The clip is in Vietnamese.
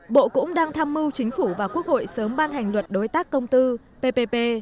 bộ cũng đang tham mưu chính phủ và quốc hội sớm ban hành luật đối tác công tư ppp